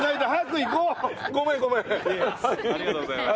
いえありがとうございました。